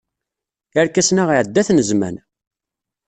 Irkasen-a iɛedda-ten zzman.